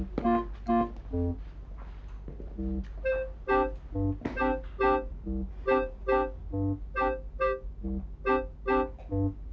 sampai jumpa plus